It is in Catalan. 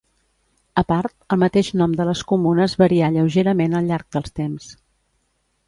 A part, el mateix nom de les comunes varià lleugerament al llarg dels temps.